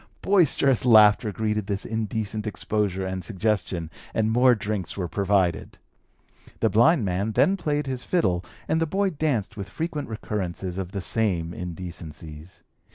Boisterous laughter greeted this indecent exposure and suggestion, and more drinks were provided. The blind man then played his fiddle and the boy danced with frequent recurrences of the same indecencies.